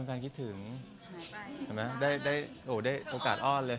กลัวแฟนคิดถึงได้โอกาสอ้อนเลย